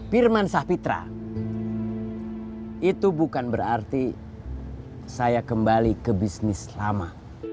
firman sapitra itu bukan berarti saya kembali ke bisnis lama